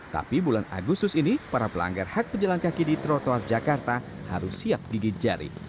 tapi bulan agustus ini para pelanggar hak pejalan kaki di trotoar jakarta harus siap gigit jari